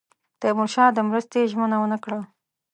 تیمورشاه د مرستې ژمنه ونه کړه.